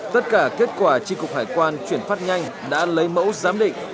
tất cả kết quả tri cục hải quan chuyển phát nhanh đã lấy mẫu giám định